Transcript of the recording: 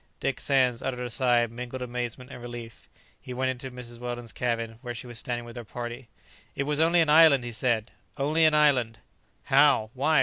Dick Sands uttered a sigh of mingled amazement and relief. He went into Mrs. Weldon's cabin, where she was standing with her party. "It was only an island!" he said; "only an island!" "How? why?